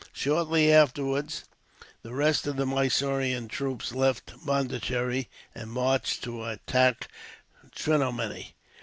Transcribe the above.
Shortly afterwards the rest of the Mysorean troops left Pondicherry, and marched to attack Trinomany.